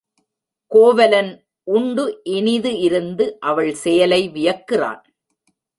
கோவலன் உண்டு இனிது இருந்து அவள் செயலை வியக்கிறான்.